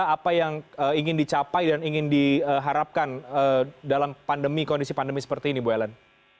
apa yang ingin dicapai dan ingin diharapkan dalam kondisi pandemi seperti ini bu ellen